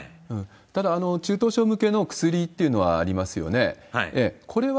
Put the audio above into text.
ただ、中等症向けの薬っていうのはありますよね？